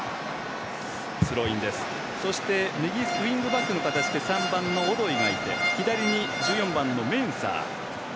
そして、右ウィングバックの形で３番のオドイがいて左に１４番のメンサー。